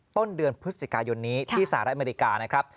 ต้นเดือนพฤศจิกายนนี้ที่สหรัฐอเมริกานะครับ